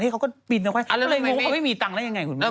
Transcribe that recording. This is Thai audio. ถ้าเขากลับไปทำงาน